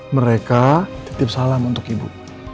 mereka titip salam untuk ibu